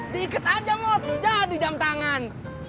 dikit aja mod jadi jam tangan